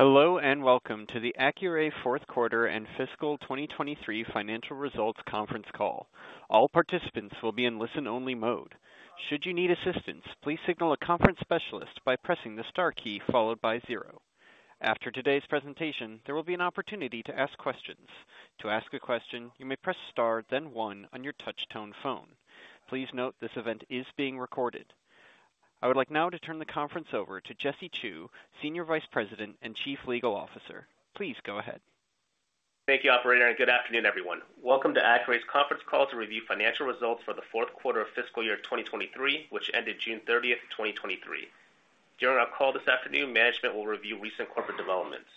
Hello, welcome to the Accuray fourth quarter and fiscal 2023 financial results conference call. All participants will be in listen-only mode. Should you need assistance, please signal a conference specialist by pressing the star key followed by 0. After today's presentation, there will be an opportunity to ask questions. To ask a question, you may press star, then 1 on your touchtone phone. Please note, this event is being recorded. I would like now to turn the conference over to Jesse Chew, Senior Vice President and Chief Legal Officer. Please go ahead. Thank you, operator, and good afternoon, everyone. Welcome to Accuray's conference call to review financial results for the fourth quarter of fiscal year 2023, which ended June 30, 2023. During our call this afternoon, management will review recent corporate developments.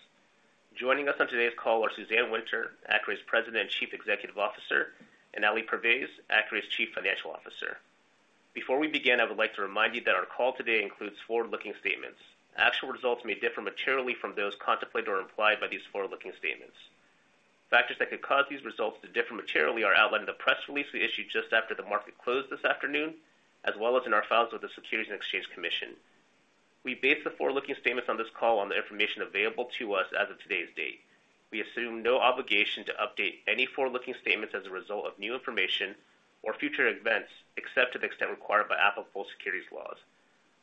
Joining us on today's call are Suzanne Winter, Accuray's President and Chief Executive Officer, and Ali Pervaiz, Accuray's Chief Financial Officer. Before we begin, I would like to remind you that our call today includes forward-looking statements. Actual results may differ materially from those contemplated or implied by these forward-looking statements. Factors that could cause these results to differ materially are outlined in the press release we issued just after the market closed this afternoon, as well as in our files with the Securities and Exchange Commission. We base the forward-looking statements on this call on the information available to us as of today's date. We assume no obligation to update any forward-looking statements as a result of new information or future events, except to the extent required by applicable securities laws.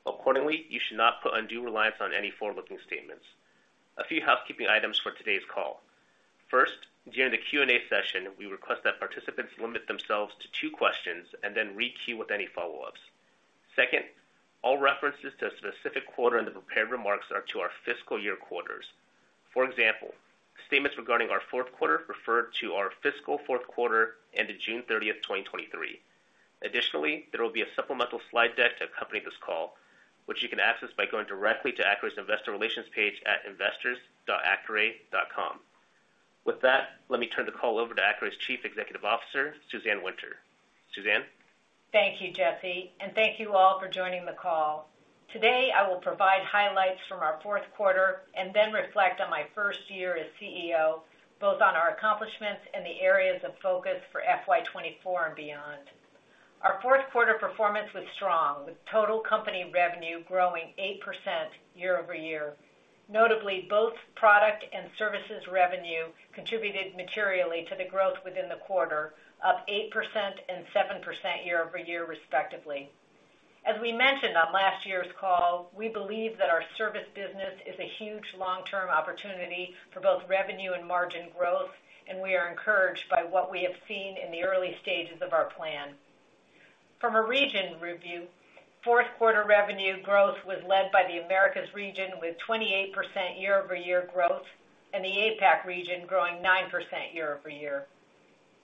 Accordingly, you should not put undue reliance on any forward-looking statements. A few housekeeping items for today's call. First, during the Q&A session, we request that participants limit themselves to two questions and then re-queue with any follow-ups. Second, all references to a specific quarter in the prepared remarks are to our fiscal year quarters. For example, statements regarding our fourth quarter refer to our fiscal fourth quarter ending June 30, 2023. Additionally, there will be a supplemental slide deck to accompany this call, which you can access by going directly to Accuray's Investor Relations page at investors.accuray.com. With that, let me turn the call over to Accuray's Chief Executive Officer, Suzanne Winter. Suzanne? Thank you, Jesse, and thank you all for joining the call. Today, I will provide highlights from our fourth quarter and then reflect on my first year as CEO, both on our accomplishments and the areas of focus for FY 2024 and beyond. Our fourth quarter performance was strong, with total company revenue growing 8% year-over-year. Notably, both product and services revenue contributed materially to the growth within the quarter, up 8% and 7% year-over-year, respectively. As we mentioned on last year's call, we believe that our service business is a huge long-term opportunity for both revenue and margin growth, and we are encouraged by what we have seen in the early stages of our plan. From a region review, fourth quarter revenue growth was led by the Americas region, with 28% year-over-year growth, and the APAC region growing 9% year-over-year.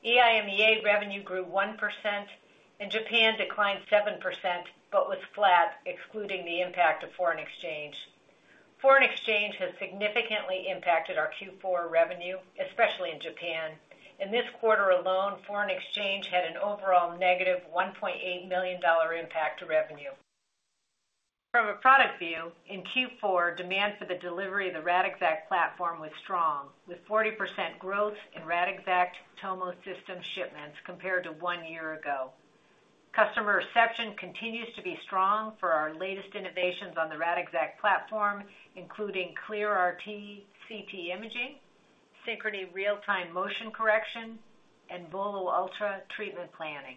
EIMEA revenue grew 1%, and Japan declined 7%, but was flat, excluding the impact of foreign exchange. Foreign exchange has significantly impacted our Q4 revenue, especially in Japan. In this quarter alone, foreign exchange had an overall negative $1.8 million impact to revenue. From a product view, in Q4, demand for the delivery of the Radixact platform was strong, with 40% growth in Radixact Tomo system shipments compared to one year ago. Customer reception continues to be strong for our latest innovations on the Radixact platform, including ClearRT CT imaging, Synchrony real-time motion correction, and Volo Ultra treatment planning.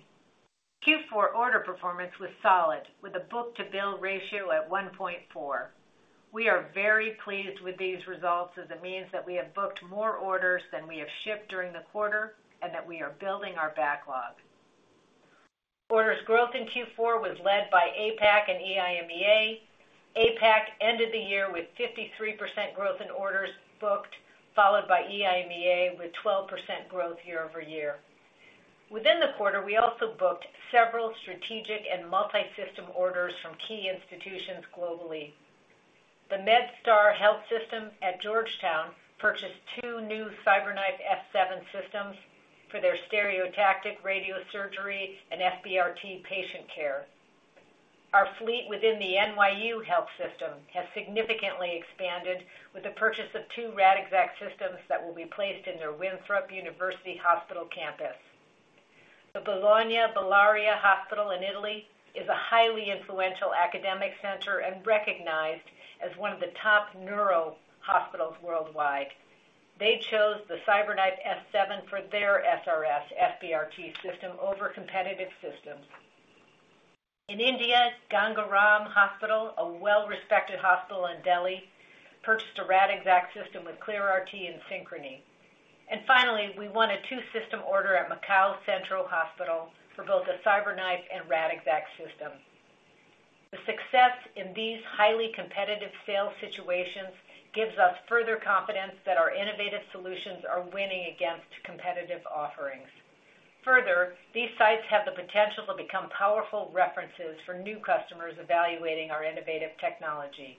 Q4 order performance was solid, with a book-to-bill ratio at 1.4. We are very pleased with these results, as it means that we have booked more orders than we have shipped during the quarter, and that we are building our backlog. Orders growth in Q4 was led by APAC and EIMEA. APAC ended the year with 53% growth in orders booked, followed by EIMEA with 12% growth year-over-year. Within the quarter, we also booked several strategic and multi-system orders from key institutions globally. The MedStar Health System at Georgetown purchased 2 new CyberKnife S7 systems for their stereotactic radiosurgery and SBRT patient care. Our fleet within the NYU Langone Health has significantly expanded with the purchase of 2 Radixact systems that will be placed in their NYU Langone Hospital—Long Island campus. The Bologna Bellaria Hospital in Italy is a highly influential academic center and recognized as one of the top neuro hospitals worldwide. They chose the CyberKnife S7 for their SRS SBRT system over competitive systems. In India, Ganga Ram Hospital, a well-respected hospital in Delhi, purchased a Radixact system with ClearRT and Synchrony. Finally, we won a 2-system order at Macau Union Hospital for both a CyberKnife and Radixact system. The success in these highly competitive sales situations gives us further confidence that our innovative solutions are winning against competitive offerings. Further, these sites have the potential to become powerful references for new customers evaluating our innovative technology.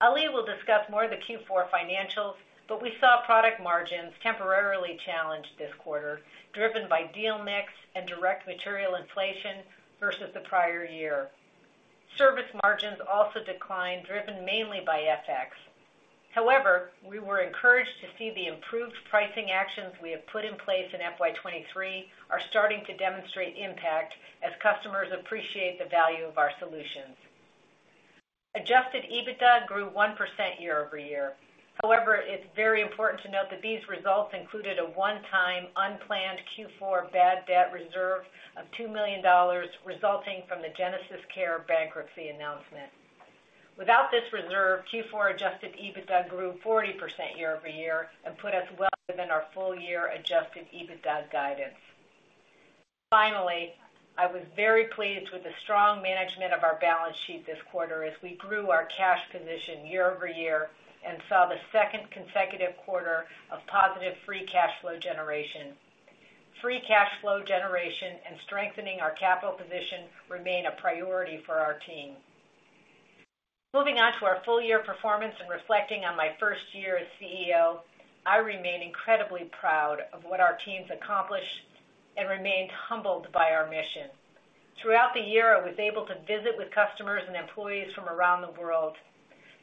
Ali will discuss more of the Q4 financials, but we saw product margins temporarily challenged this quarter, driven by deal mix and direct material inflation versus the prior year. Service margins also declined, driven mainly by FX. We were encouraged to see the improved pricing actions we have put in place in FY 2023 are starting to demonstrate impact as customers appreciate the value of our solutions. Adjusted EBITDA grew 1% year-over-year. It's very important to note that these results included a one-time unplanned Q4 bad debt reserve of $2 million, resulting from the GenesisCare bankruptcy announcement. Without this reserve, Q4 Adjusted EBITDA grew 40% year-over-year and put us well within our full year Adjusted EBITDA guidance. I was very pleased with the strong management of our balance sheet this quarter as we grew our cash position year-over-year and saw the second consecutive quarter of positive free cash flow generation. Free cash flow generation and strengthening our capital position remain a priority for our team. Moving on to our full year performance and reflecting on my first year as CEO, I remain incredibly proud of what our team's accomplished and remained humbled by our mission. Throughout the year, I was able to visit with customers and employees from around the world.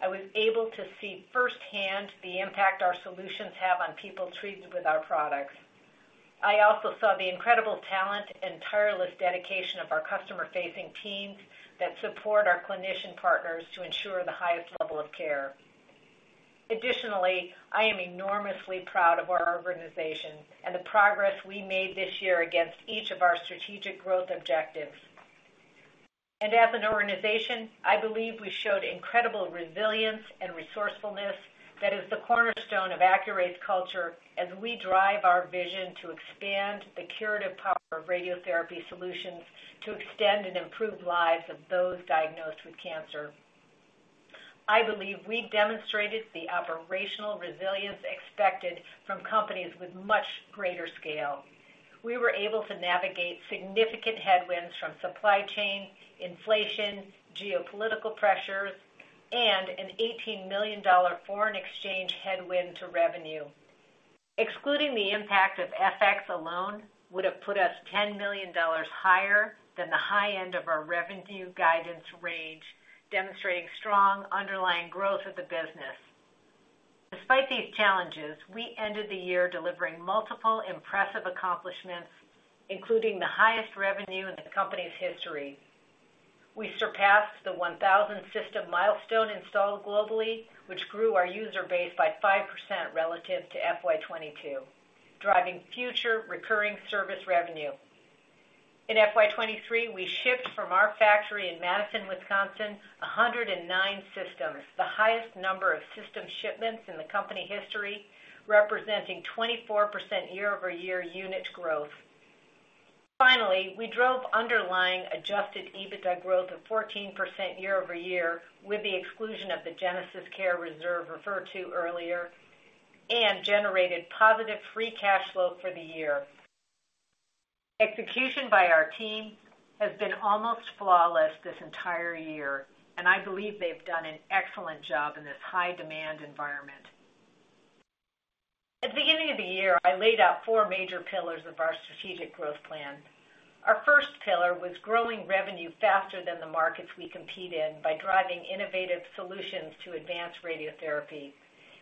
I was able to see firsthand the impact our solutions have on people treated with our products. I also saw the incredible talent and tireless dedication of our customer-facing teams that support our clinician partners to ensure the highest level of care. Additionally, I am enormously proud of our organization and the progress we made this year against each of our strategic growth objectives. As an organization, I believe we showed incredible resilience and resourcefulness that is the cornerstone of Accuray's culture, as we drive our vision to expand the curative power of radiotherapy solutions to extend and improve lives of those diagnosed with cancer. I believe we demonstrated the operational resilience expected from companies with much greater scale. We were able to navigate significant headwinds from supply chain, inflation, geopolitical pressures, and an $18 million foreign exchange headwind to revenue. Excluding the impact of FX alone, would have put us $10 million higher than the high end of our revenue guidance range, demonstrating strong underlying growth of the business. Despite these challenges, we ended the year delivering multiple impressive accomplishments, including the highest revenue in the company's history. We surpassed the 1,000 system milestone installed globally, which grew our user base by 5% relative to FY 2022, driving future recurring service revenue. In FY 2023, we shipped from our factory in Madison, Wisconsin, 109 systems, the highest number of system shipments in the company history, representing 24% year-over-year unit growth. We drove underlying Adjusted EBITDA growth of 14% year-over-year, with the exclusion of the GenesisCare reserve referred to earlier, and generated positive free cash flow for the year. Execution by our team has been almost flawless this entire year, and I believe they've done an excellent job in this high demand environment. At the beginning of the year, I laid out 4 major pillars of our strategic growth plan. Our first pillar was growing revenue faster than the markets we compete in by driving innovative solutions to advance radiotherapy.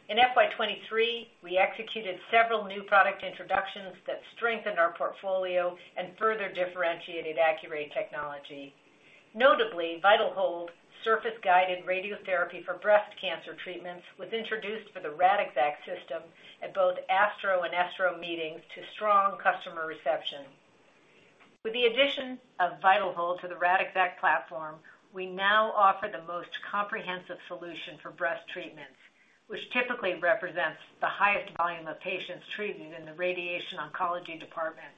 In FY 2023, we executed several new product introductions that strengthened our portfolio and further differentiated Accuray technology. Notably, VitalHold, surface-guided radiotherapy for breast cancer treatments, was introduced for the Radixact System at both ASTRO and ESTRO meetings to strong customer reception. With the addition of VitalHold to the Radixact platform, we now offer the most comprehensive solution for breast treatments, which typically represents the highest volume of patients treated in the radiation oncology department.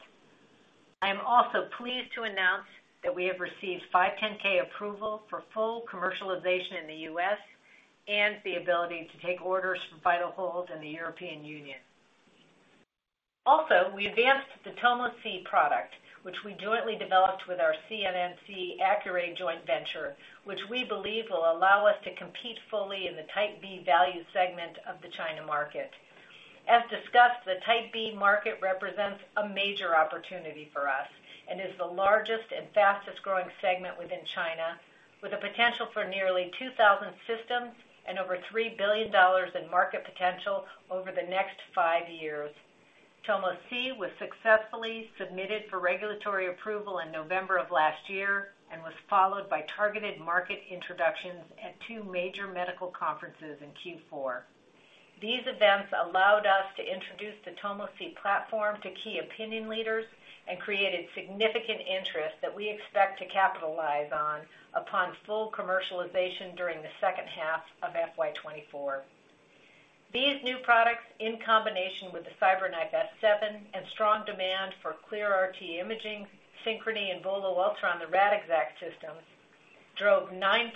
I am also pleased to announce that we have received 510(k) approval for full commercialization in the U.S. and the ability to take orders for VitalHold in the European Union. We advanced the TomoC product, which we jointly developed with our CNNC Accuray joint venture, which we believe will allow us to compete fully in the Type B value segment of the China market. As discussed, the Type B market represents a major opportunity for us and is the largest and fastest growing segment within China, with a potential for nearly 2,000 systems and over $3 billion in market potential over the next 5 years. TomoC was successfully submitted for regulatory approval in November of last year and was followed by targeted market introductions at 2 major medical conferences in Q4. These events allowed us to introduce the Tomo C platform to key opinion leaders and created significant interest that we expect to capitalize on upon full commercialization during the second half of FY 2024. These new products, in combination with the CyberKnife S7 and strong demand for ClearRT imaging, Synchrony and Volo Ultra on the Radixact System, drove 9%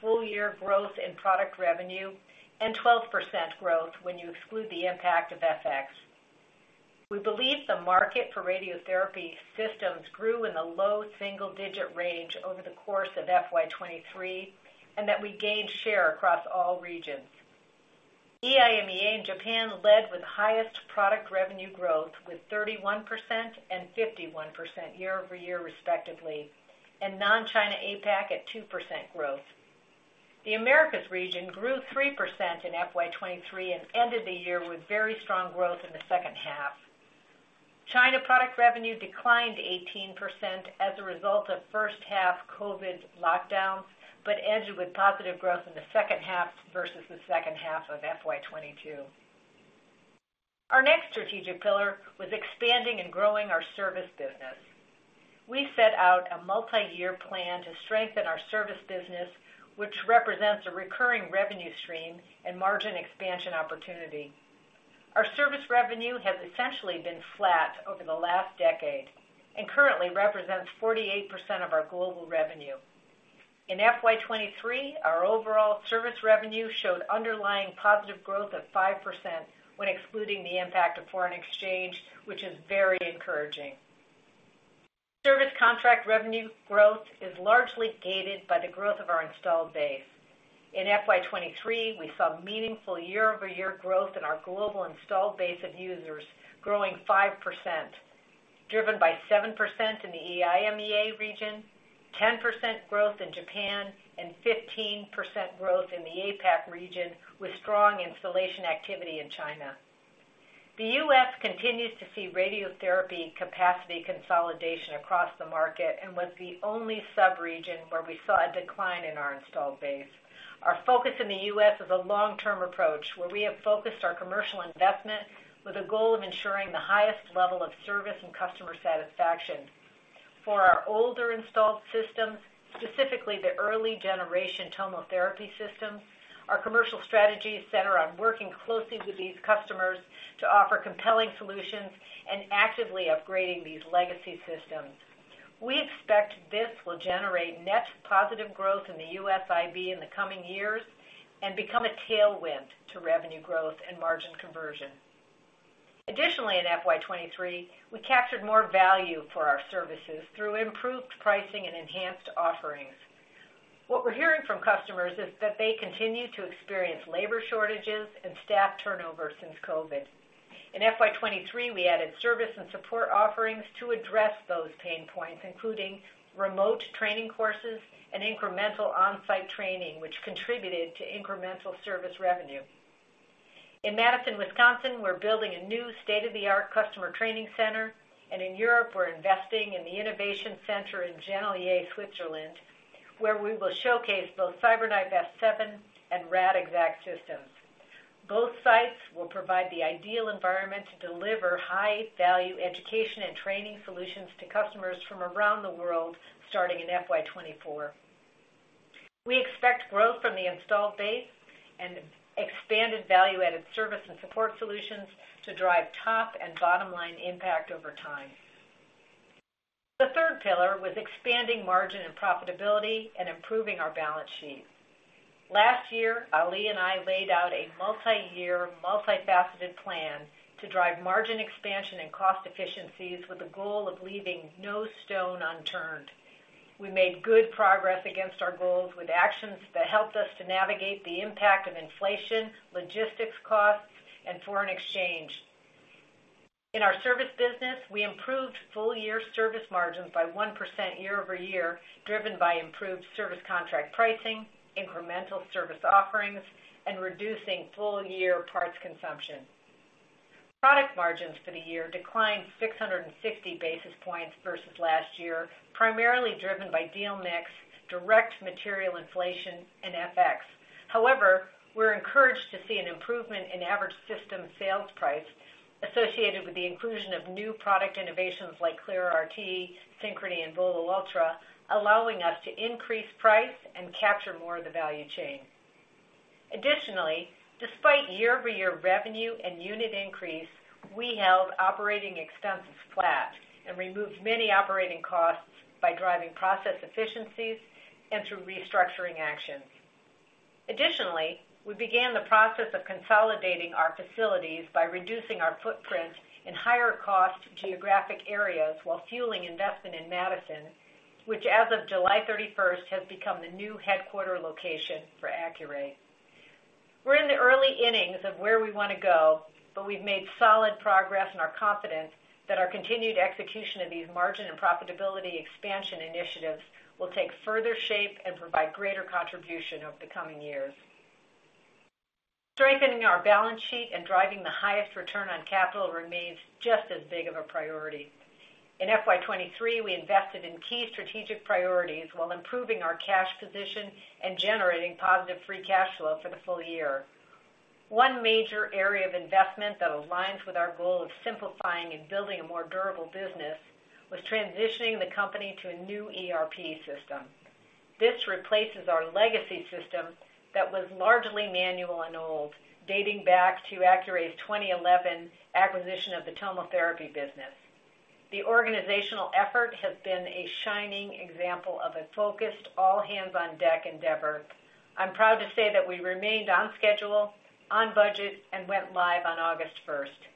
full-year growth in product revenue and 12% growth when you exclude the impact of FX. We believe the market for radiotherapy systems grew in the low single-digit range over the course of FY 2023, and that we gained share across all regions. EIMEA and Japan led with highest product revenue growth with 31% and 51% year-over-year, respectively, and non-China APAC at 2% growth. The Americas region grew 3% in FY 2023 and ended the year with very strong growth in the second half. China product revenue declined 18% as a result of first half COVID lockdowns, but ended with positive growth in the second half versus the second half of FY 2022. Our next strategic pillar was expanding and growing our service business. We set out a multi-year plan to strengthen our service business, which represents a recurring revenue stream and margin expansion opportunity. Our service revenue has essentially been flat over the last decade and currently represents 48% of our global revenue. In FY 2023, our overall service revenue showed underlying positive growth of 5% when excluding the impact of foreign exchange, which is very encouraging. Service contract revenue growth is largely gated by the growth of our installed base. In FY 2023, we saw meaningful year-over-year growth in our global installed base of users, growing 5%, driven by 7% in the EIMEA region, 10% growth in Japan, and 15% growth in the APAC region, with strong installation activity in China. The U.S. continues to see radiotherapy capacity consolidation across the market and was the only sub-region where we saw a decline in our installed base. Our focus in the U.S. is a long-term approach, where we have focused our commercial investment with a goal of ensuring the highest level of service and customer satisfaction. For our older installed systems, specifically the early generation TomoTherapy systems, our commercial strategies center on working closely with these customers to offer compelling solutions and actively upgrading these legacy systems. We expect this will generate net positive growth in the U.S. IB in the coming years and become a tailwind to revenue growth and margin conversion. Additionally, in FY 2023, we captured more value for our services through improved pricing and enhanced offerings. What we're hearing from customers is that they continue to experience labor shortages and staff turnover since COVID. In FY 2023, we added service and support offerings to address those pain points, including remote training courses and incremental on-site training, which contributed to incremental service revenue. In Madison, Wisconsin, we're building a new state-of-the-art customer training center, and in Europe, we're investing in the innovation center in Genolier, Switzerland, where we will showcase both CyberKnife S7 and Radixact systems. Both sites will provide the ideal environment to deliver high-value education and training solutions to customers from around the world, starting in FY 2024. We expect growth from the installed base and expanded value-added service and support solutions to drive top and bottom line impact over time. The third pillar was expanding margin and profitability and improving our balance sheet. Last year, Ali and I laid out a multi-year, multifaceted plan to drive margin expansion and cost efficiencies with the goal of leaving no stone unturned. We made good progress against our goals with actions that helped us to navigate the impact of inflation, logistics costs, and foreign exchange. In our service business, we improved full-year service margins by 1% year-over-year, driven by improved service contract pricing, incremental service offerings, and reducing full-year parts consumption. Product margins for the year declined 660 basis points versus last last year, primarily driven by deal mix, direct material inflation, and FX. However, we're encouraged to see an improvement in average system sales price associated with the inclusion of new product innovations like ClearRT, Synchrony and Volo Ultra, allowing us to increase price and capture more of the value chain. Additionally, despite year-over-year revenue and unit increase, we held operating expenses flat and removed many operating costs by driving process efficiencies and through restructuring actions. Additionally, we began the process of consolidating our facilities by reducing our footprints in higher cost geographic areas while fueling investment in Madison, which, as of July 31st, has become the new headquarter location for Accuray. We're in the early innings of where we want to go, but we've made solid progress and are confident that our continued execution of these margin and profitability expansion initiatives will take further shape and provide greater contribution over the coming years. Strengthening our balance sheet and driving the highest return on capital remains just as big of a priority. In FY 2023, we invested in key strategic priorities while improving our cash position and generating positive free cash flow for the full year. One major area of investment that aligns with our goal of simplifying and building a more durable business was transitioning the company to a new ERP system. This replaces our legacy system that was largely manual and old, dating back to Accuray's 2011 acquisition of the TomoTherapy business. The organizational effort has been a shining example of a focused, all-hands-on-deck endeavor. I'm proud to say that we remained on schedule, on budget, and went live on August 1st.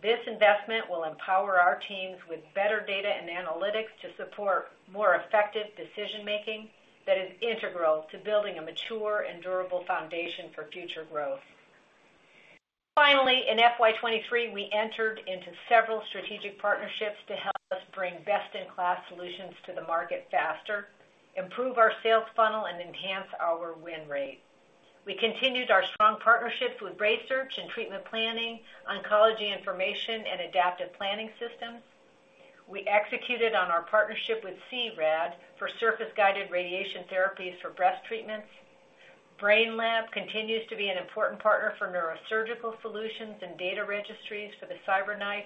This investment will empower our teams with better data and analytics to support more effective decision-making that is integral to building a mature and durable foundation for future growth. Finally, in FY 2023, we entered into several strategic partnerships to help us bring best-in-class solutions to the market faster, improve our sales funnel, and enhance our win rate. We continued our strong partnerships with RaySearch in treatment planning, oncology information, and adaptive planning systems. We executed on our partnership with C-RAD for surface-guided radiation therapies for breast treatments. Brainlab continues to be an important partner for neurosurgical solutions and data registries for the CyberKnife.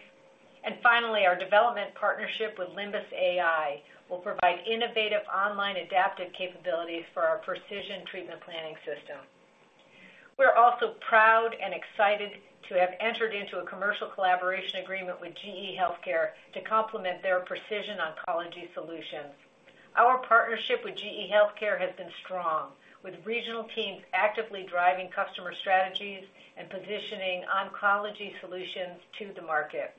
Finally, our development partnership with Limbus AI will provide innovative online adaptive capabilities for our Precision Treatment Planning system. We're also proud and excited to have entered into a commercial collaboration agreement with GE HealthCare to complement their precision oncology solutions. Our partnership with GE HealthCare has been strong, with regional teams actively driving customer strategies and positioning oncology solutions to the market.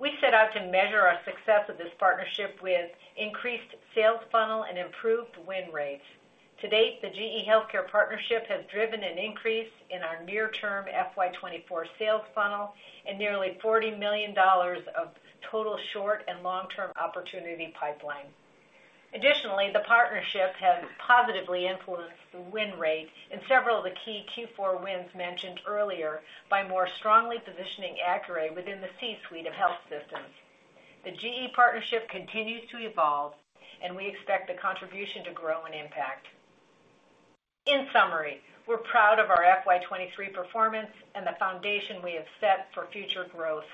We set out to measure our success of this partnership with increased sales funnel and improved win rates. To date, the GE HealthCare partnership has driven an increase in our near-term FY 2024 sales funnel and nearly $40 million of total short and long-term opportunity pipeline. Additionally, the partnership has positively influenced the win rate in several of the key Q4 wins mentioned earlier by more strongly positioning Accuray within the C-suite of health systems. We expect the contribution to grow in impact. In summary, we're proud of our FY 2023 performance and the foundation we have set for future growth.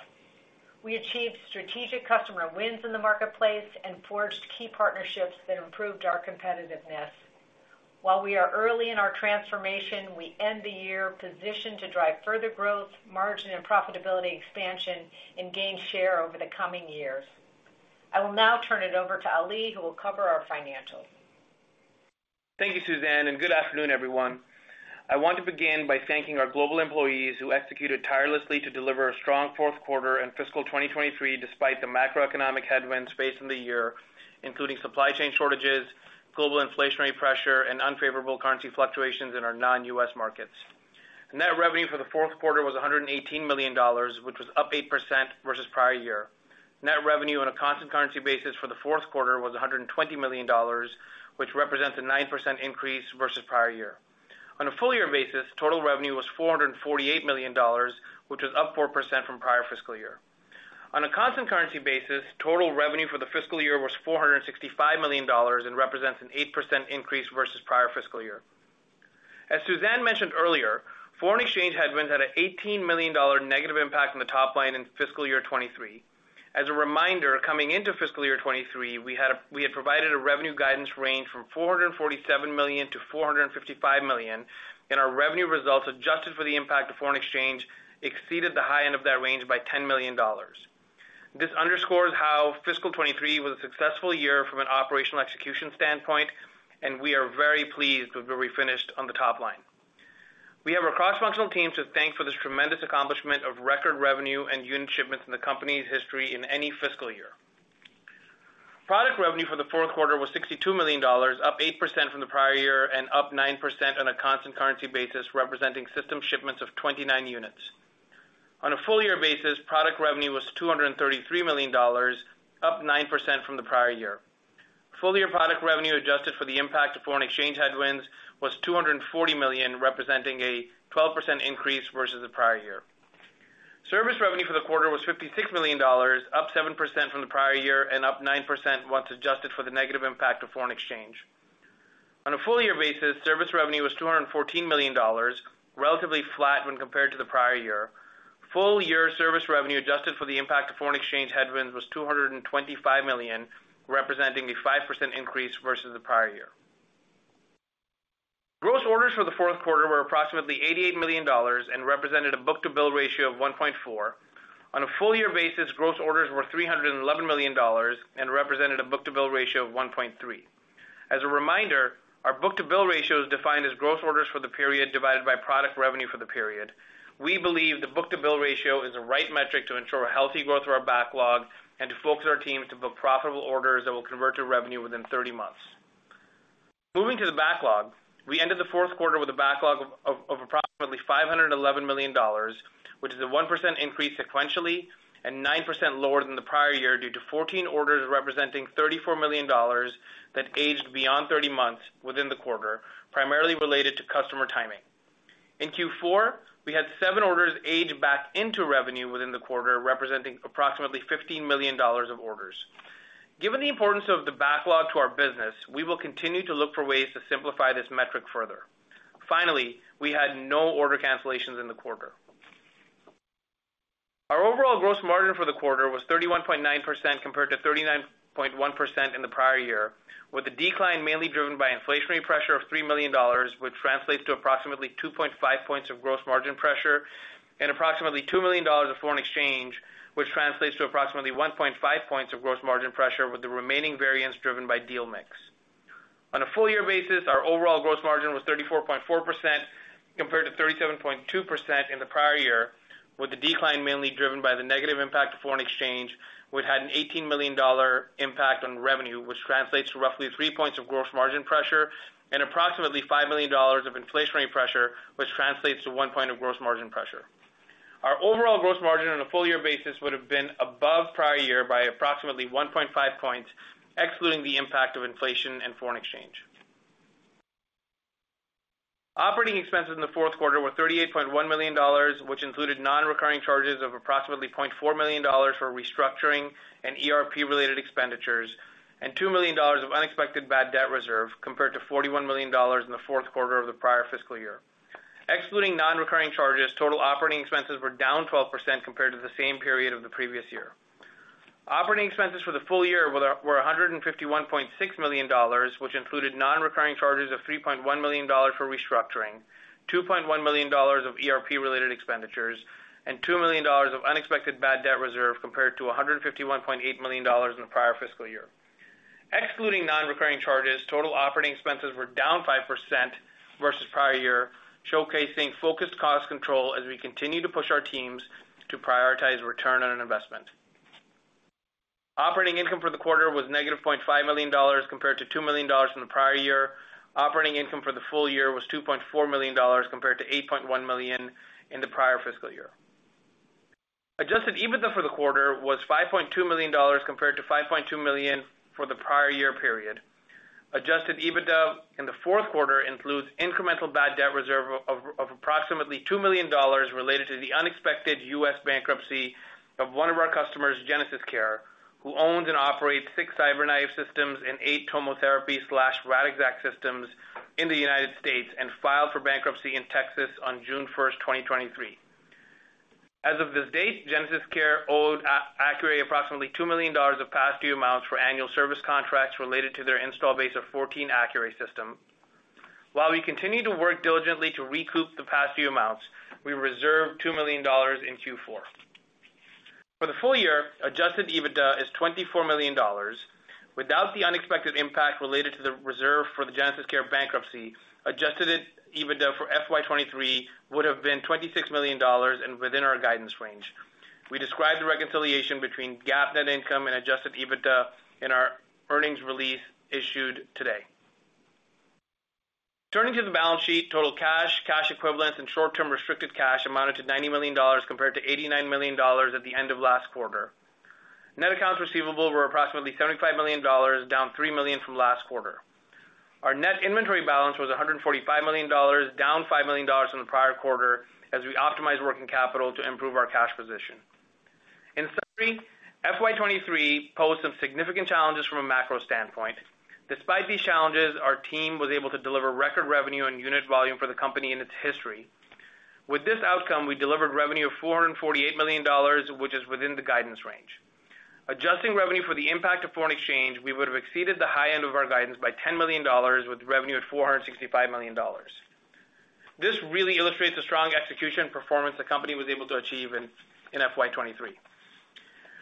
We achieved strategic customer wins in the marketplace and forged key partnerships that improved our competitiveness. While we are early in our transformation, we end the year positioned to drive further growth, margin, and profitability expansion and gain share over the coming years. I will now turn it over to Ali, who will cover our financials. Thank you, Suzanne, good afternoon, everyone. I want to begin by thanking our global employees, who executed tirelessly to deliver a strong fourth quarter and fiscal 2023 despite the macroeconomic headwinds faced in the year, including supply chain shortages, global inflationary pressure, and unfavorable currency fluctuations in our non-U.S. markets. Net revenue for the fourth quarter was $118 million, which was up 8% versus prior year. Net revenue on a constant currency basis for the fourth quarter was $120 million, which represents a 9% increase versus prior year. On a full year basis, total revenue was $448 million, which was up 4% from prior fiscal year. On a constant currency basis, total revenue for the fiscal year was $465 million and represents an 8% increase versus prior fiscal year. As Suzanne mentioned earlier, foreign exchange headwinds had an $18 million negative impact on the top line in fiscal year 2023. As a reminder, coming into fiscal year 2023, we had provided a revenue guidance range from $447 million-$455 million, our revenue results, adjusted for the impact of foreign exchange, exceeded the high end of that range by $10 million. This underscores how fiscal 2023 was a successful year from an operational execution standpoint, we are very pleased with where we finished on the top line. We have our cross-functional teams to thank for this tremendous accomplishment of record revenue and unit shipments in the company's history in any fiscal year. Product revenue for the fourth quarter was $62 million, up 8% from the prior year and up 9% on a constant currency basis, representing system shipments of 29 units. On a full year basis, product revenue was $233 million, up 9% from the prior year. Full year product revenue, adjusted for the impact of foreign exchange headwinds, was $240 million, representing a 12% increase versus the prior year. Service revenue for the quarter was $56 million, up 7% from the prior year and up 9% once adjusted for the negative impact of foreign exchange. On a full year basis, service revenue was $214 million, relatively flat when compared to the prior year. Full year service revenue, adjusted for the impact of foreign exchange headwinds, was $225 million, representing a 5% increase versus the prior year. Gross orders for the fourth quarter were approximately $88 million and represented a book-to-bill ratio of 1.4. On a full year basis, gross orders were $311 million and represented a book-to-bill ratio of 1.3. As a reminder, our book-to-bill ratio is defined as gross orders for the period divided by product revenue for the period. We believe the book-to-bill ratio is the right metric to ensure a healthy growth for our backlog and to focus our teams to book profitable orders that will convert to revenue within 30 months. Moving to the backlog, we ended the fourth quarter with a backlog of approximately $511 million, which is a 1% increase sequentially and 9% lower than the prior year due to 14 orders representing $34 million that aged beyond 30 months within the quarter, primarily related to customer timing. In Q4, we had seven orders age back into revenue within the quarter, representing approximately $15 million of orders. Given the importance of the backlog to our business, we will continue to look for ways to simplify this metric further. Finally, we had no order cancellations in the quarter. Our overall gross margin for the quarter was 31.9%, compared to 39.1% in the prior year, with the decline mainly driven by inflationary pressure of $3 million, which translates to approximately 2.5 points of gross margin pressure and approximately $2 million of foreign exchange, which translates to approximately 1.5 points of gross margin pressure, with the remaining variance driven by deal mix. On a full year basis, our overall gross margin was 34.4%, compared to 37.2% in the prior year, with the decline mainly driven by the negative impact of foreign exchange, which had an $18 million impact on revenue, which translates to roughly 3 points of gross margin pressure and approximately $5 million of inflationary pressure, which translates to 1 point of gross margin pressure. Our overall gross margin on a full year basis would have been above prior year by approximately 1.5 points, excluding the impact of inflation and foreign exchange. Operating expenses in the fourth quarter were $38.1 million, which included nonrecurring charges of approximately $0.4 million for restructuring and ERP-related expenditures, and $2 million of unexpected bad debt reserve, compared to $41 million in the fourth quarter of the prior fiscal year. Excluding nonrecurring charges, total operating expenses were down 12% compared to the same period of the previous year. Operating expenses for the full year were $151.6 million, which included nonrecurring charges of $3.1 million for restructuring, $2.1 million of ERP-related expenditures, and $2 million of unexpected bad debt reserve, compared to $151.8 million in the prior fiscal year. Excluding nonrecurring charges, total operating expenses were down 5% versus prior year, showcasing focused cost control as we continue to push our teams to prioritize ROI. Operating income for the quarter was -$0.5 million, compared to $2 million from the prior year. Operating income for the full year was $2.4 million, compared to $8.1 million in the prior fiscal year. Adjusted EBITDA for the quarter was $5.2 million, compared to $5.2 million for the prior year period. Adjusted EBITDA in the fourth quarter includes incremental bad debt reserve of approximately $2 million related to the unexpected US bankruptcy of one of our customers, GenesisCare, who owns and operates six CyberKnife systems and eight TomoTherapy/Radixact systems in the United States, and filed for bankruptcy in Texas on June 1st, 2023. As of this date, GenesisCare owed Accuray approximately $2 million of past due amounts for annual service contracts related to their install base of 14 Accuray system. While we continue to work diligently to recoup the past due amounts, we reserved $2 million in Q4. For the full year, adjusted EBITDA is $24 million. Without the unexpected impact related to the reserve for the GenesisCare bankruptcy, Adjusted EBITDA for FY 2023 would have been $26 million and within our guidance range. We described the reconciliation between GAAP net income and Adjusted EBITDA in our earnings release issued today. Turning to the balance sheet, total cash, cash equivalents, and short-term restricted cash amounted to $90 million, compared to $89 million at the end of last quarter. Net accounts receivable were approximately $75 million, down $3 million from last quarter. Our net inventory balance was $145 million, down $5 million from the prior quarter, as we optimized working capital to improve our cash position. In summary, FY 2023 posed some significant challenges from a macro standpoint. Despite these challenges, our team was able to deliver record revenue and unit volume for the company in its history. With this outcome, we delivered revenue of $448 million, which is within the guidance range. Adjusting revenue for the impact of foreign exchange, we would have exceeded the high end of our guidance by $10 million, with revenue at $465 million. This really illustrates the strong execution performance the company was able to achieve in FY 2023.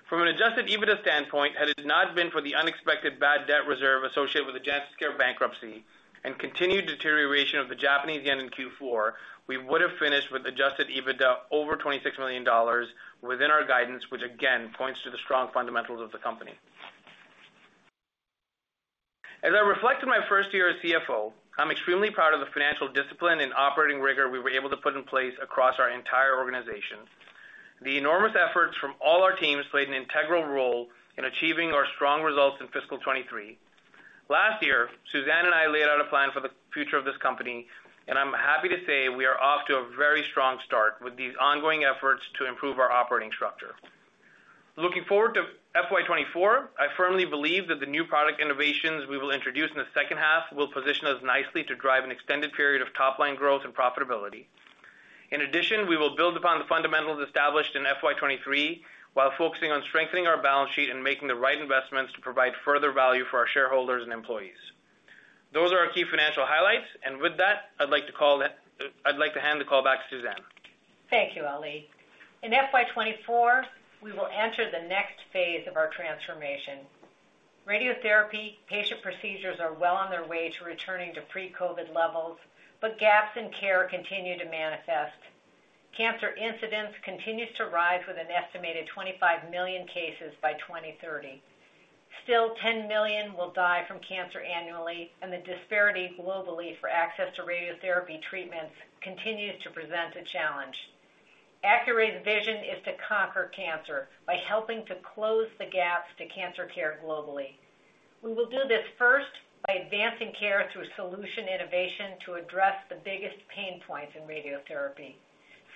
From an Adjusted EBITDA standpoint, had it not been for the unexpected bad debt reserve associated with the GenesisCare bankruptcy and continued deterioration of the Japanese yen in Q4, we would have finished with Adjusted EBITDA over $26 million within our guidance, which again points to the strong fundamentals of the company. As I reflect on my first year as CFO, I'm extremely proud of the financial discipline and operating rigor we were able to put in place across our entire organization. The enormous efforts from all our teams played an integral role in achieving our strong results in fiscal 2023. Last year, Suzanne and I laid out a plan for the future of this company, and I'm happy to say we are off to a very strong start with these ongoing efforts to improve our operating structure. Looking forward to FY 2024, I firmly believe that the new product innovations we will introduce in the second half will position us nicely to drive an extended period of top-line growth and profitability. In addition, we will build upon the fundamentals established in FY 2023, while focusing on strengthening our balance sheet and making the right investments to provide further value for our shareholders and employees. Those are our key financial highlights, and with that, I'd like to hand the call back to Suzanne. Thank you, Ali. In FY 2024, we will enter the next phase of our transformation. Radiotherapy patient procedures are well on their way to returning to pre-COVID levels, but gaps in care continue to manifest. Cancer incidence continues to rise, with an estimated 25 million cases by 2030. Still, 10 million will die from cancer annually, and the disparity globally for access to radiotherapy treatments continues to present a challenge. Accuray's vision is to conquer cancer by helping to close the gaps to cancer care globally. We will do this first by advancing care through solution innovation to address the biggest pain points in radiotherapy.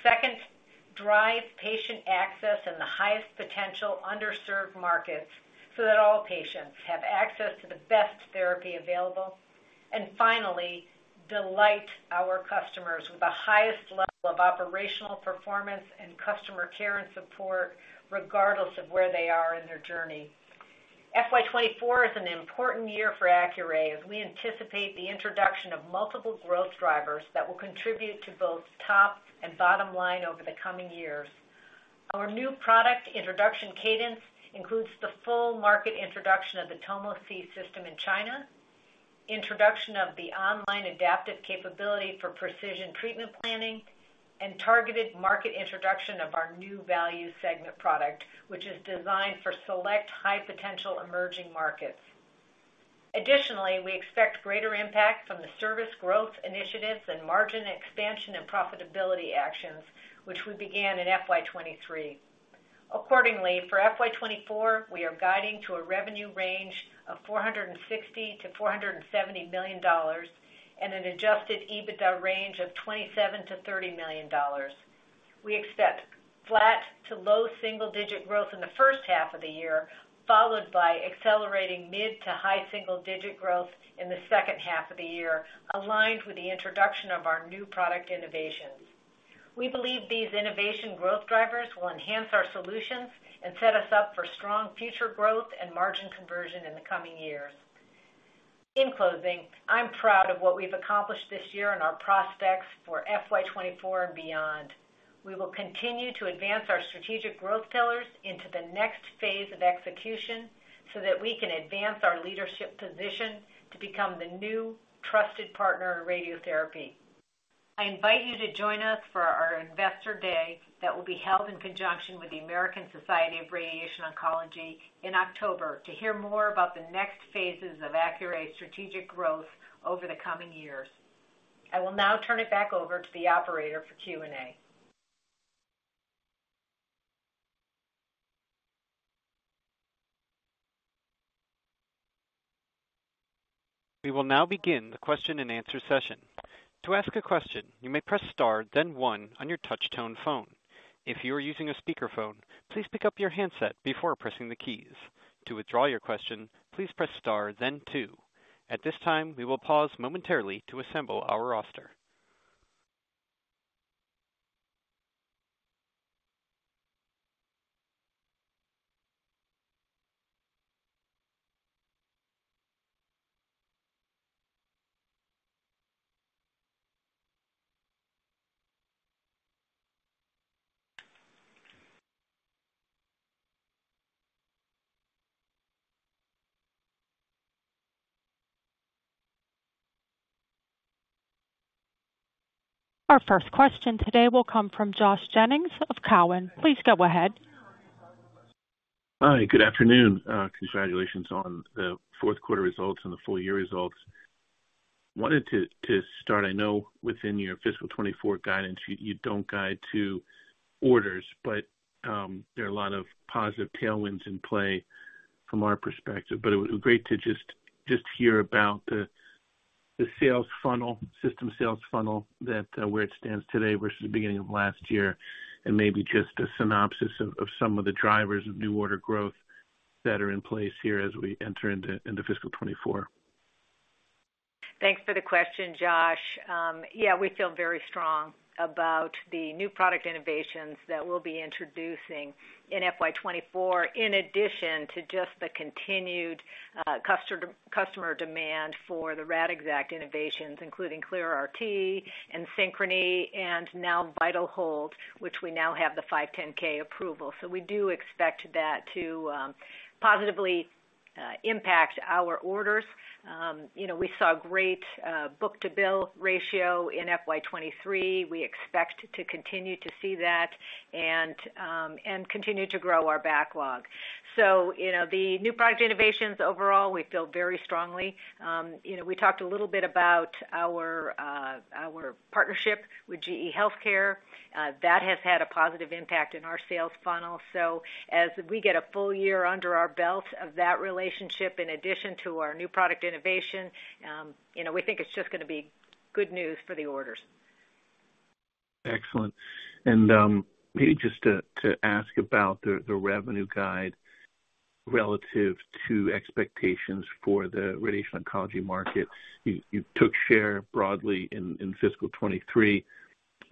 Second, drive patient access in the highest potential underserved markets so that all patients have access to the best therapy available. Finally, delight our customers with the highest level of operational performance and customer care and support, regardless of where they are in their journey. FY 2024 is an important year for Accuray, as we anticipate the introduction of multiple growth drivers that will contribute to both top and bottom line over the coming years. Our new product introduction cadence includes the full market introduction of the Tomo C system in China, introduction of the online adaptive capability for Precision Treatment Planning, and targeted market introduction of our new value segment product, which is designed for select high-potential emerging markets. Additionally, we expect greater impact from the service growth initiatives and margin expansion and profitability actions, which we began in FY 2023. Accordingly, for FY 2024, we are guiding to a revenue range of $460 million-$470 million and an Adjusted EBITDA range of $27 million-$30 million. We expect flat to low single-digit growth in the first half of the year, followed by accelerating mid to high single-digit growth in the second half of the year, aligned with the introduction of our new product innovations. We believe these innovation growth drivers will enhance our solutions and set us up for strong future growth and margin conversion in the coming years. In closing, I'm proud of what we've accomplished this year and our prospects for FY 2024 and beyond. We will continue to advance our strategic growth pillars into the next phase of execution, so that we can advance our leadership position to become the new trusted partner in radiotherapy. I invite you to join us for our Investor Day, that will be held in conjunction with the American Society for Radiation Oncology in October, to hear more about the next phases of Accuray's strategic growth over the coming years. I will now turn it back over to the operator for Q&A. We will now begin the question-and-answer session. To ask a question, you may press Star, then 1 on your touchtone phone. If you are using a speakerphone, please pick up your handset before pressing the keys. To withdraw your question, please press Star then 2. At this time, we will pause momentarily to assemble our roster. Our first question today will come from Josh Jennings of Cowen. Please go ahead. Hi, good afternoon. Congratulations on the fourth quarter results and the full year results. Wanted to, to start, I know within your fiscal 2024 guidance, you, you don't guide to orders, but there are a lot of positive tailwinds in play from our perspective. It would be great to just, just hear about the, the sales funnel, system sales funnel, that where it stands today versus the beginning of last year, and maybe just a synopsis of, of some of the drivers of new order growth that are in place here as we enter into, into fiscal 2024. Thanks for the question, Josh. Yeah, we feel very strong about the new product innovations that we'll be introducing in FY 2024, in addition to just the continued customer, customer demand for the Radixact innovations, including ClearRT and Synchrony, and now VitalHold, which we now have the 510(k) approval. We do expect that to positively impact our orders. You know, we saw great book-to-bill ratio in FY 2023. We expect to continue to see that and continue to grow our backlog. You know, the new product innovations, overall, we feel very strongly. You know, we talked a little bit about our partnership with GE HealthCare. That has had a positive impact in our sales funnel. As we get a full year under our belt of that relationship, in addition to our new product innovation, you know, we think it's just going to be good news for the orders. Excellent. Maybe just to ask about the revenue guide relative to expectations for the radiation oncology market. You took share broadly in fiscal 23.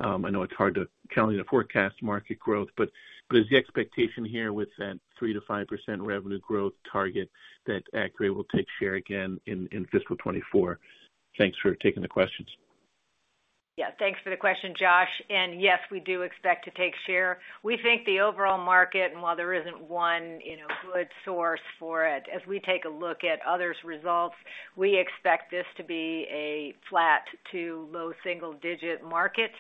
I know it's hard to count on the forecast market growth, but is the expectation here with that 3%-5% revenue growth target that Accuray will take share again in fiscal 24? Thanks for taking the questions. Yeah, thanks for the question, Josh. Yes, we do expect to take share. We think the overall market, while there isn't one, you know, good source for it, as we take a look at others' results, we expect this to be a flat to low single-digit market.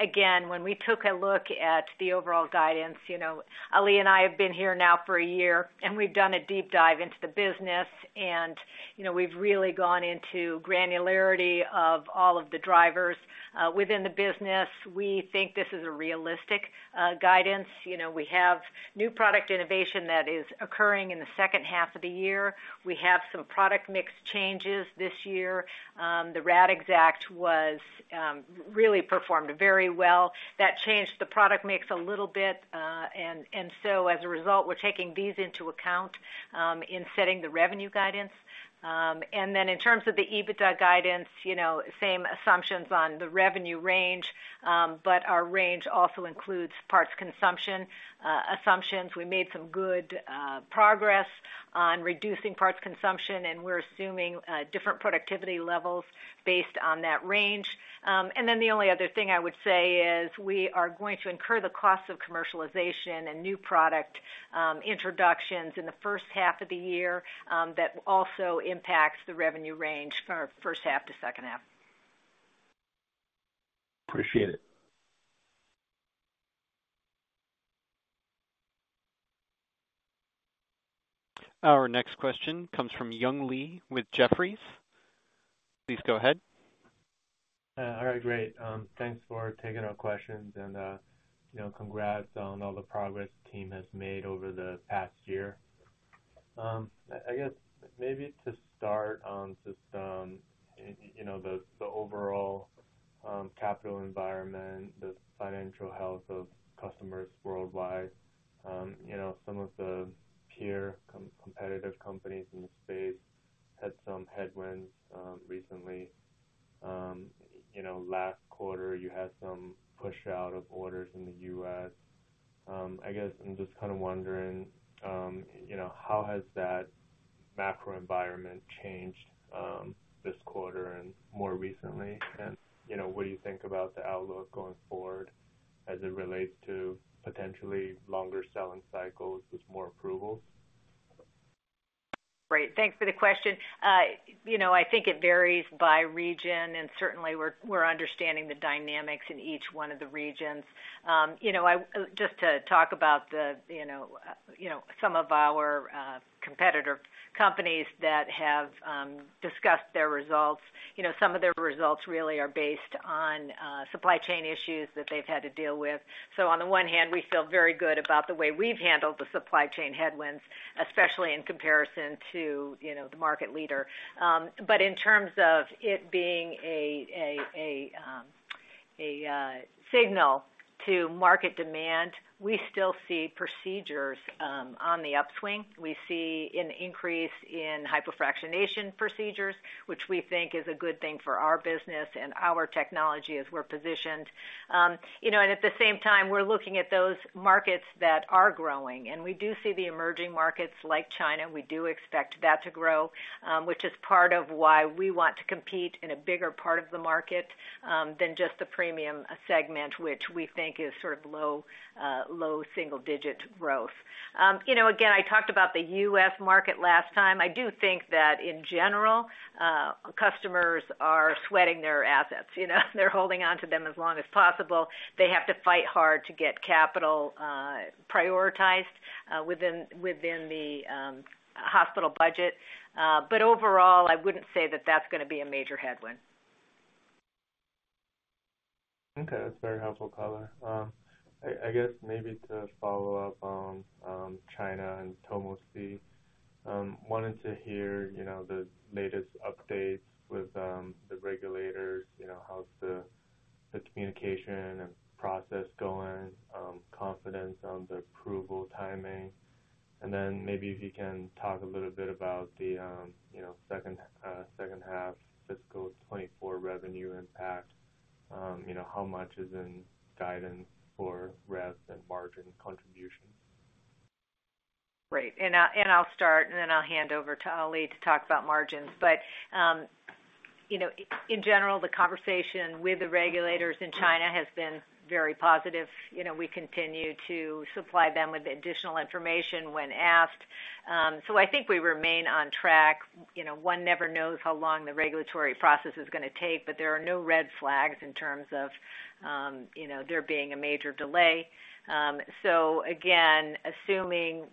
Again, when we took a look at the overall guidance, you know, Ali and I have been here now for a year, we've done a deep dive into the business, you know, we've really gone into granularity of all of the drivers within the business. We think this is a realistic guidance. You know, we have new product innovation that is occurring in the second half of the year. We have some product mix changes this year. The Radixact was really performed very well. That changed the product mix a little bit, and so as a result, we're taking these into account, in setting the revenue guidance. In terms of the EBITDA guidance, you know, same assumptions on the revenue range, but our range also includes parts consumption assumptions. We made some good progress on reducing parts consumption, and we're assuming different productivity levels based on that range. The only other thing I would say is we are going to incur the costs of commercialization and new product introductions in the first half of the year, that also impacts the revenue range from our first half to second half. Appreciate it. Our next question comes from Yuan Li with Jefferies. Please go ahead. All right, great. Thanks for taking our questions, and, you know, congrats on all the progress the team has made over the past year. I, I guess maybe to start on just, you know, the, the overall capital environment, the financial health of customers worldwide, you know, some of the peer competitive companies in the space had some headwinds recently. You know, last quarter, you had some push out of orders in the US. I guess I'm just kind of wondering, you know, how has that macro environment changed this quarter and more recently? And, you know, what do you think about the outlook going forward as it relates to potentially longer selling cycles with more approvals? Great, thanks for the question. You know, I think it varies by region, and certainly, we're, we're understanding the dynamics in each one of the regions. You know, just to talk about the, you know, some of our competitor companies that have discussed their results, you know, some of their results really are based on supply chain issues that they've had to deal with. On the one hand, we feel very good about the way we've handled the supply chain headwinds, especially in comparison to, you know, the market leader. In terms of it being a signal to market demand, we still see procedures on the upswing. We see an increase in hypofractionation procedures, which we think is a good thing for our business and our technology as we're positioned. You know, and at the same time, we're looking at those markets that are growing, and we do see the emerging markets like China. We do expect that to grow, which is part of why we want to compete in a bigger part of the market than just the premium segment, which we think is sort of low, low single-digit growth. You know, again, I talked about the US market last time. I do think that, in general, customers are sweating their assets. You know, they're holding onto them as long as possible. They have to fight hard to get capital, prioritized, within, within the hospital budget. Overall, I wouldn't say that that's gonna be a major headwind. Okay, that's very helpful, Carla. I, I guess maybe to follow up on China and Tomo C, wanted to hear, you know, the latest updates with the regulators, you know, how's the communication and process going, confidence on the approval timing. Then maybe if you can talk a little bit about the, you know, second, second half fiscal 2024 revenue impact, you know, how much is in guidance for rev and margin contribution? Great. I'll start, and then I'll hand over to Ali to talk about margins. You know, in general, the conversation with the regulators in China has been very positive. You know, we continue to supply them with additional information when asked. I think we remain on track. You know, one never knows how long the regulatory process is gonna take, there are no red flags in terms of, you know, there being a major delay. Again, assuming,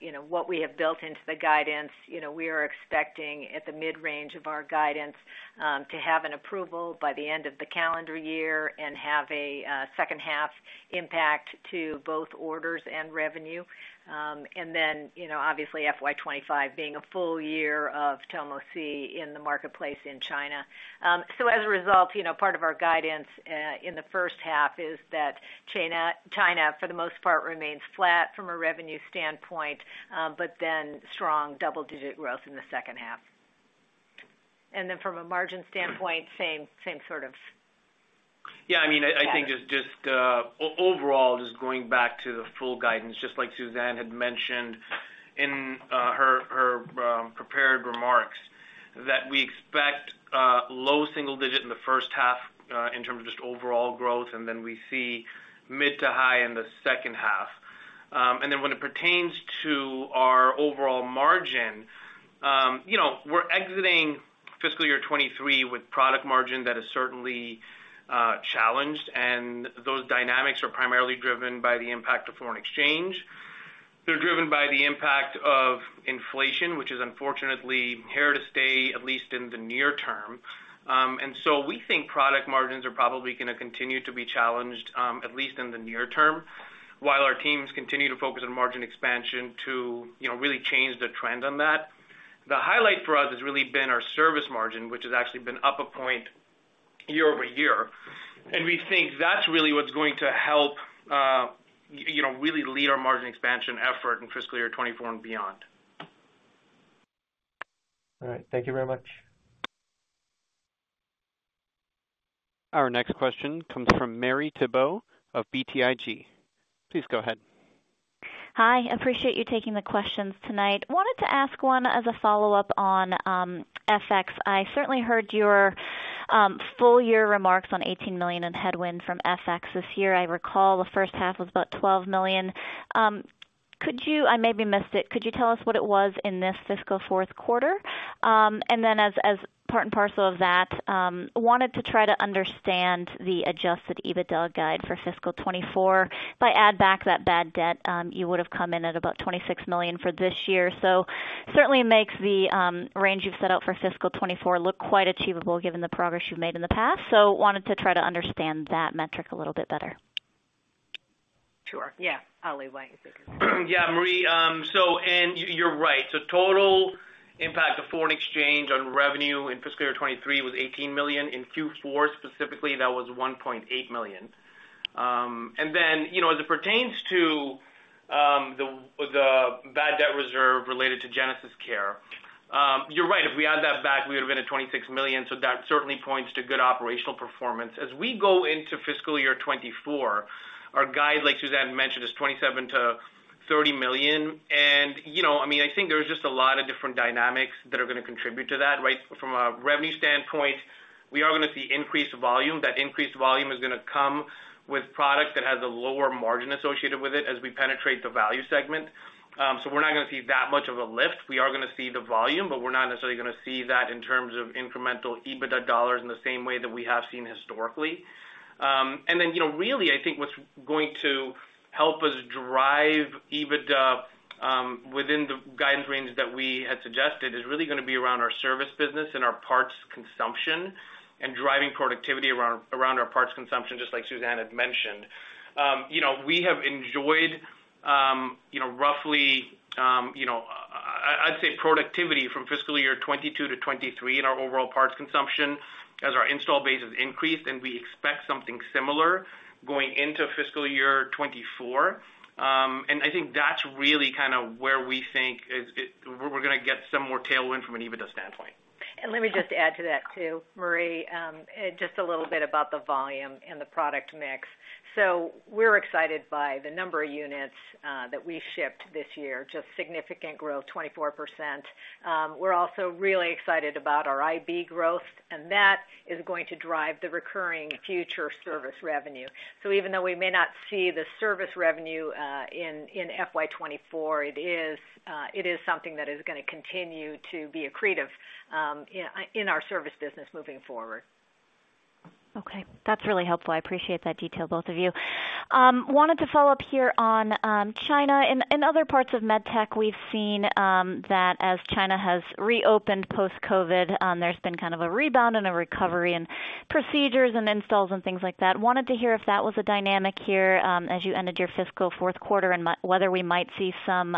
you know, what we have built into the guidance, you know, we are expecting, at the mid-range of our guidance, to have an approval by the end of the calendar year and have a second half impact to both orders and revenue. you know, obviously, FY 2025 being a full year of Tomo C in the marketplace in China. you know, part of our guidance in the first half is that China, China, for the most part, remains flat from a revenue standpoint, but then strong double-digit growth in the second half. from a margin standpoint, same, same sort of. Yeah, I mean, I think it's just overall, just going back to the full guidance, just like Suzanne had mentioned in her prepared remarks, that we expect low single digit in the first half in terms of just overall growth, and then we see mid to high in the second half. When it pertains to our overall margin, you know, we're exiting fiscal year 2023 with product margin that is certainly challenged, and those dynamics are primarily driven by the impact of foreign exchange. They're driven by the impact of inflation, which is unfortunately here to stay, at least in the near term. So we think product margins are probably gonna continue to be challenged, at least in the near term, while our teams continue to focus on margin expansion to, you know, really change the trend on that. The highlight for us has really been our service margin, which has actually been up a point year-over-year. We think that's really what's going to help, you know, really lead our margin expansion effort in fiscal year 24 and beyond. All right. Thank you very much. Our next question comes from Marie Thibault of BTIG. Please go ahead. Hi, appreciate you taking the questions tonight. Wanted to ask one as a follow-up on FX. I certainly heard your full year remarks on $18 million in headwind from FX this year. I recall the first half was about $12 million. Could you- I maybe missed it, could you tell us what it was in this fiscal fourth quarter? And then as, as part and parcel of that, wanted to try to understand the Adjusted EBITDA guide for fiscal 2024. If I add back that bad debt, you would have come in at about $26 million for this year. So certainly makes the range you've set out for fiscal 2024 look quite achievable, given the progress you've made in the past. So wanted to try to understand that metric a little bit better. Sure. Yeah, Ali, why don't you take it? Yeah, Marie, and y- you're right. Total impact of foreign exchange on revenue in fiscal year 2023 was $18 million. In Q4, specifically, that was $1.8 million. You know, as it pertains to the bad debt reserve related to GenesisCare, you're right. If we add that back, we would've been at $26 million, so that certainly points to good operational performance. As we go into fiscal year 2024, our guide, like Suzanne mentioned, is $27 million-$30 million. You know, I mean, I think there's just a lot of different dynamics that are going to contribute to that, right? From a revenue standpoint, we are going to see increased volume. That increased volume is going to come with product that has a lower margin associated with it as we penetrate the value segment. We're not going to see that much of a lift. We are going to see the volume, but we're not necessarily going to see that in terms of incremental EBITDA dollars in the same way that we have seen historically. Then, you know, really, I think what's going to help us drive EBITDA, within the guidance range that we had suggested, is really going to be around our service business and our parts consumption, and driving productivity around our parts consumption, just like Suzanne had mentioned. You know, we have enjoyed, you know, roughly, you know, I'd say productivity from fiscal year 2022 to 2023 in our overall parts consumption as our install base has increased, and we expect something similar going into fiscal year 2024. I think that's really kind of where we think we're going to get some more tailwind from an EBITDA standpoint. Let me just add to that, too, Marie, just a little bit about the volume and the product mix. We're excited by the number of units that we shipped this year. Just significant growth, 24%. We're also really excited about our IB growth, and that is going to drive the recurring future service revenue. Even though we may not see the service revenue in FY 2024, it is something that is going to continue to be accretive in our service business moving forward. Okay. That's really helpful. I appreciate that detail, both of you. Wanted to follow up here on China. In other parts of medtech, we've seen that as China has reopened post-COVID, there's been kind of a rebound and a recovery in procedures and installs and things like that. Wanted to hear if that was a dynamic here, as you ended your fiscal fourth quarter, and whether we might see some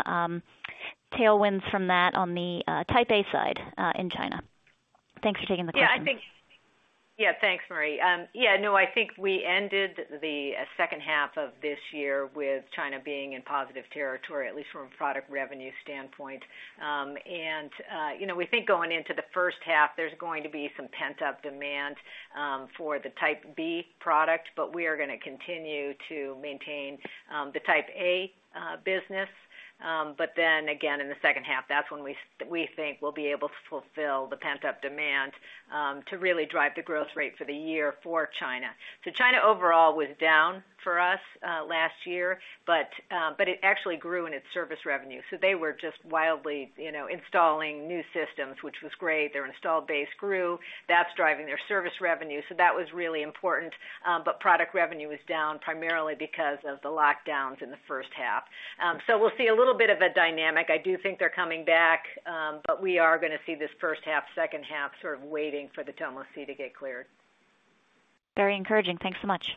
tailwinds from that on the Type A side in China. Thanks for taking the question. I think. Thanks, Marie. No, I think we ended the second half of this year with China being in positive territory, at least from a product revenue standpoint. You know, we think going into the first half, there's going to be some pent-up demand for the Type B product, but we are going to continue to maintain the Type A business. Then again, in the second half, that's when we think we'll be able to fulfill the pent-up demand to really drive the growth rate for the year for China. China overall was down for us last year, but it actually grew in its service revenue, so they were just wildly, you know, installing new systems, which was great. Their installed base grew. That's driving their service revenue, so that was really important. Product revenue was down primarily because of the lockdowns in the first half. We'll see a little bit of a dynamic. I do think they're coming back, but we are going to see this first half, second half, sort of waiting for the normalcy to get cleared. Very encouraging. Thanks so much.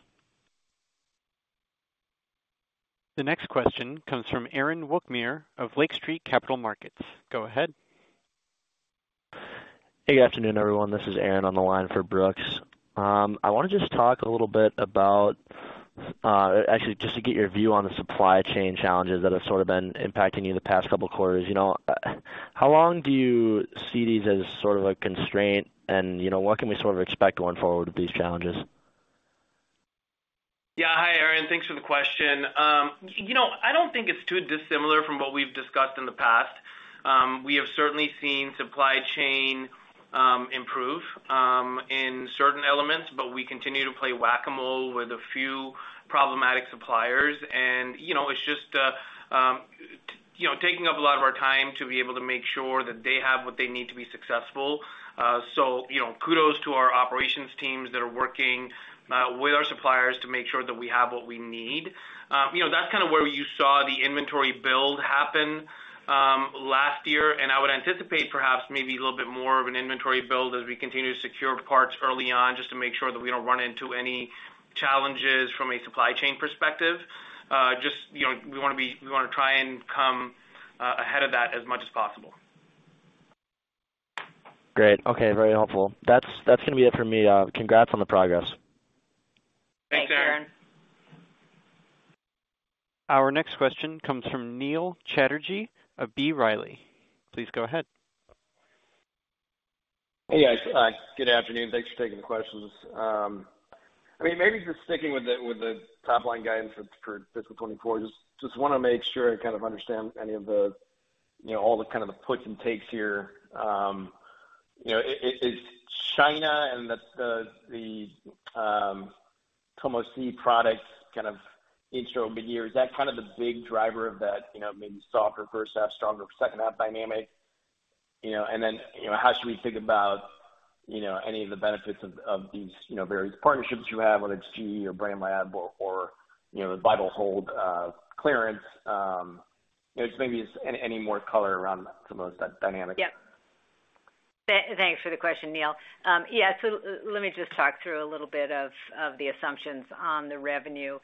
The next question comes from Aaron Wukmir of Lake Street Capital Markets. Go ahead. Hey, good afternoon, everyone. This is Aaron on the line for Brooks. I want to just talk a little bit about, actually, just to get your view on the supply chain challenges that have sort of been impacting you the past couple of quarters. You know, how long do you see these as sort of a constraint? You know, what can we sort of expect going forward with these challenges? Yeah. Hi, Aaron. Thanks for the question. You know, I don't think it's too dissimilar from what we've discussed in the past. We have certainly seen supply chain improve in certain elements, but we continue to play Whac-A-Mole with a few problematic suppliers. You know, it's just, you know, taking up a lot of our time to be able to make sure that they have what they need to be successful. You know, kudos to our operations teams that are working with our suppliers to make sure that we have what we need. You know, that's kind of where you saw the inventory build happen, last year. I would anticipate perhaps maybe a little bit more of an inventory build as we continue to secure parts early on, just to make sure that we don't run into any challenges from a supply chain perspective. Just, you know, we want to try and come ahead of that as much as possible. Great. Okay, very helpful. That's going to be it for me. Congrats on the progress. Thanks, Aaron. Thanks, Aaron. Our next question comes from Neil Chatterji of B. Riley. Please go ahead. Hey, guys. Good afternoon. Thanks for taking the questions. I mean, maybe just sticking with the, with the top line guidance for, for fiscal 24, just, just want to make sure I kind of understand any of the, you know, all the kind of the puts and takes here. You know, is China and the, the, the TomoC product kind of intro midyear, is that kind of the big driver of that, you know, maybe softer first half, stronger second half dynamic? You know, and then, you know, how should we think about, you know, any of the benefits of, of these, you know, various partnerships you have, whether it's GE or Brainlab or, you know, VitalHold clearance, you know, just maybe any more color around some of those dynamics. Yeah. Thanks for the question, Neil. Yeah, so let me just talk through a little bit of the assumptions on the revenue.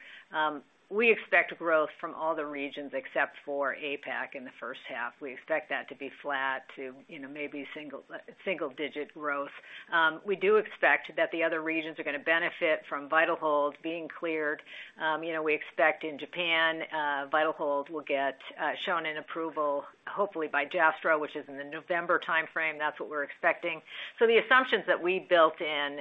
We expect growth from all the regions except for APAC in the first half. We expect that to be flat to, you know, maybe single, single digit growth. We do expect that the other regions are going to benefit from VitalHold being cleared. You know, we expect in Japan, VitalHold will get shown in approval, hopefully by JASTRO, which is in the November timeframe. That's what we're expecting. The assumptions that we built in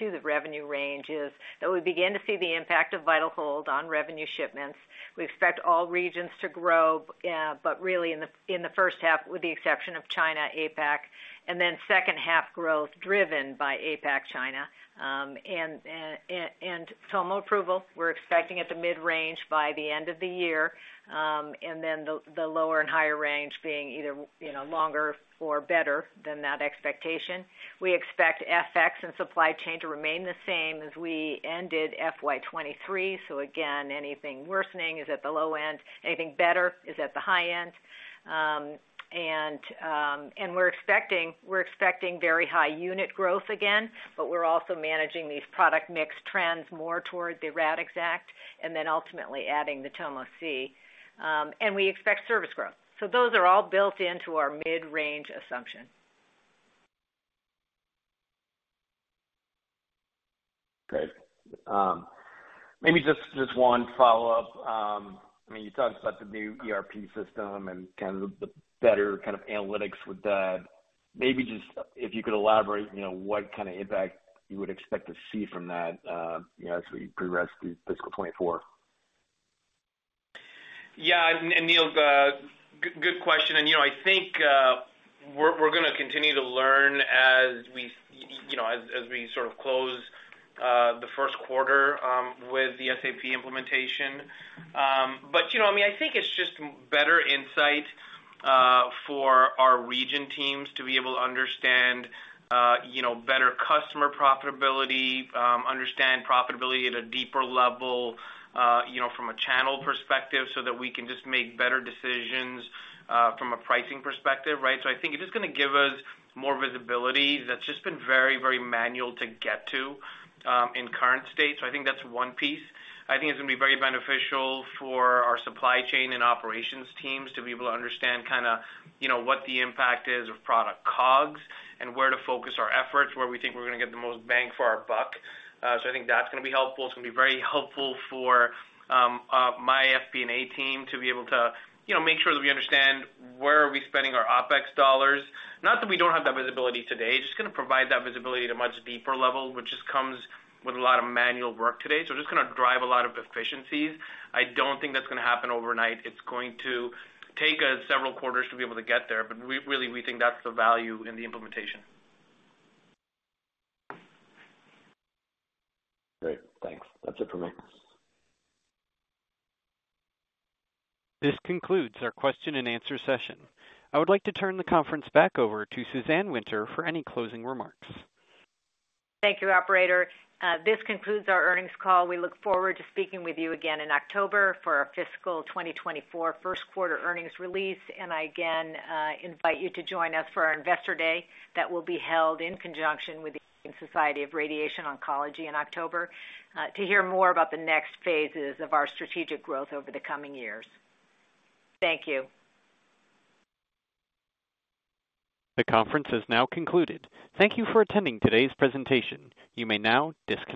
to the revenue range is that we begin to see the impact of VitalHold on revenue shipments. We expect all regions to grow, but really in the first half, with the exception of China, APAC, and then second half growth driven by APAC, China. Tomo approval, we're expecting at the mid-range by the end of the year, and then the lower and higher range being either, you know, longer or better than that expectation. We expect FX and supply chain to remain the same as we ended FY 2023. Again, anything worsening is at the low end, anything better is at the high end. We're expecting, we're expecting very high unit growth again, but we're also managing these product mix trends more toward the Radixact and then ultimately adding the Tomo C. We expect service growth. Those are all built into our mid-range assumption. Great. Maybe just, just one follow-up. I mean, you talked about the new ERP system and kind of the better kind of analytics with that. Maybe just if you could elaborate, you know, what kind of impact you would expect to see from that, you know, as we progress through fiscal 2024. Yeah, Neil, good question. You know, I think, we're going to continue to learn as we, you know, as, as we sort of close the first quarter with the SAP implementation. You know, I mean, I think it's just better insight for our region teams to be able to understand, you know, better customer profitability, understand profitability at a deeper level, you know, from a channel perspective, so that we can just make better decisions from a pricing perspective, right? I think it is going to give us more visibility that's just been very, very manual to get to in current state. I think that's one piece. I think it's going to be very beneficial for our supply chain and operations teams to be able to understand kind of, you know, what the impact is of product COGS and where to focus our efforts, where we think we're going to get the most bang for our buck. I think that's going to be helpful. It's going to be very helpful for my FP&A team to be able to, you know, make sure that we understand where are we spending our OpEx dollars. Not that we don't have that visibility today, it's just going to provide that visibility at a much deeper level, which just comes with a lot of manual work today. Just going to drive a lot of efficiencies. I don't think that's going to happen overnight. It's going to take us several quarters to be able to get there, but really, we think that's the value in the implementation. Great, thanks. That's it for me. This concludes our question and answer session. I would like to turn the conference back over to Suzanne Winter for any closing remarks. Thank you, operator. This concludes our earnings call. We look forward to speaking with you again in October for our fiscal 2024 1st quarter earnings release. I again, invite you to join us for our Investor Day that will be held in conjunction with the Society of Radiation Oncology in October, to hear more about the next phases of our strategic growth over the coming years. Thank you. The conference is now concluded. Thank you for attending today's presentation. You may now disconnect.